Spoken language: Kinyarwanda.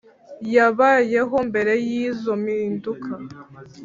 yabayeho mbere y’izo mpinduka